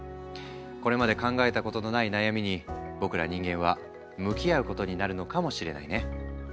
これまで考えたことのない悩みに僕ら人間は向き合うことになるのかもしれないね。